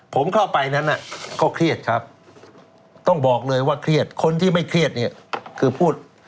ผมเข้าไปนั้นก็เครียดครับต้องบอกเลยว่าเครียดคนที่ไม่เครียดเนี่ยคือพูด